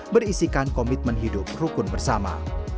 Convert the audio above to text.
berisikan komitmen hidup rukun bersama